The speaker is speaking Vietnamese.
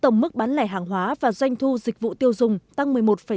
tổng mức bán lẻ hàng hóa và doanh thu dịch vụ tiêu dùng tăng một mươi một chín